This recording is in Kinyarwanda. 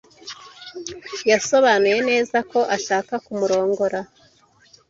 Yasobanuye neza ko ashaka kumurongora.